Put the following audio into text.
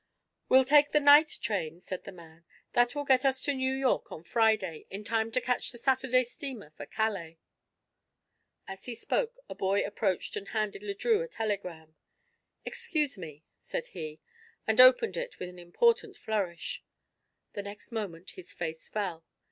"We'll take the night train," said the man. "That will get us to New York on Friday, in time to catch the Saturday steamer for Calais." As he spoke a boy approached and handed Le Drieux a telegram. "Excuse me," said he, and opened it with an important flourish. The next moment his face fell.